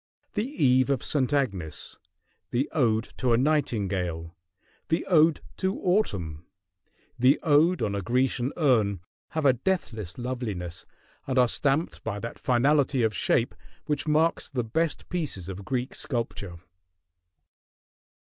"The Eve of St. Agnes," the "Ode to a Nightingale," the "Ode to Autumn," the "Ode on a Grecian Urn," have a deathless loveliness and are stamped by that finality of shape which marks the best pieces of Greek sculpture.